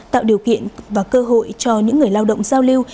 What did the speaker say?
tạo điều kiện và cơ hội cho những người lao động giao lưu